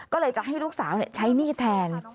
ก็เลยจะให้ลูกสาวใช้หนี้แทน